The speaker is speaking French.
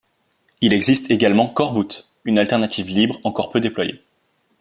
Il existe également Coreboot, une alternative libre encore peu déployée.